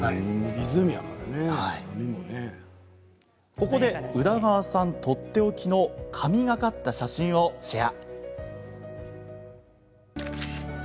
ここで宇田川さんとっておきの神がかった写真もシェア。